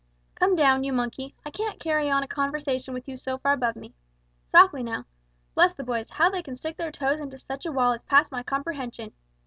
"Come down, you monkey. I can't carry on a conversation with you so far above me. Softly now. Bless the boys, how they can stick their toes into such a wall is past my comprehension!